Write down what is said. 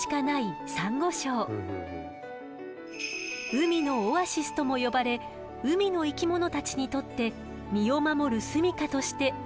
海のオアシスとも呼ばれ海の生き物たちにとって身を守る住みかとして大切な存在。